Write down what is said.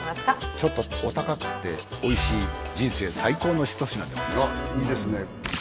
ちょっとお高くておいしい人生最高の一品であっいいですね